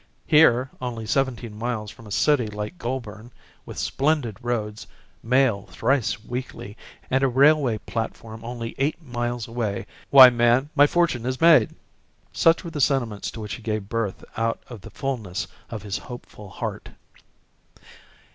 Here, only seventeen miles from a city like Goulburn, with splendid roads, mail thrice weekly, and a railway platform only eight miles away, why, man, my fortune is made! Such were the sentiments to which he gave birth out of the fullness of his hopeful heart.